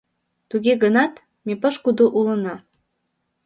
Туге гынат ме пошкудо улына.